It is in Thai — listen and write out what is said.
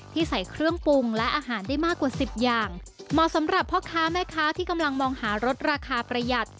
ใส่เครื่องปรุงและอาหารได้มากกว่าสิบอย่างเหมาะสำหรับพ่อค้าแม่ค้าที่กำลังมองหารสราคาประหยัด